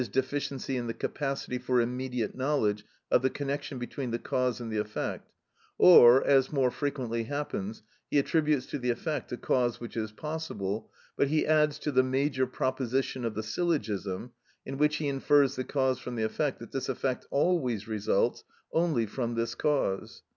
_, deficiency in the capacity for immediate knowledge of the connection between the cause and the effect, or, as more frequently happens, he attributes to the effect a cause which is possible, but he adds to the major proposition of the syllogism, in which he infers the cause from the effect, that this effect always results only from this cause.